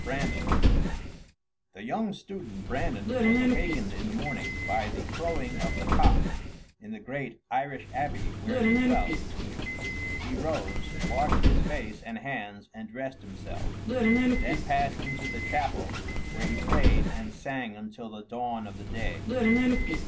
BRANDAN The young student Brandan was awakened in the morning by the crowing of the cock in the great Irish abbey where he dwelt; he rose, washed his face and hands and dressed himself, then passed into the chapel, where he prayed and sang until the dawn of the day.